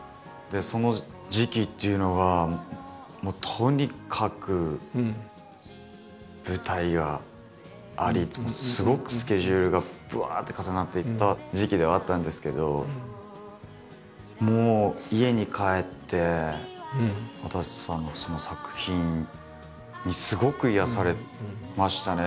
その時期っていうのがもうとにかく舞台がありすごくスケジュールがぶわって重なっていた時期ではあったんですけどもう家に帰ってわたせさんの作品にすごく癒やされましたね。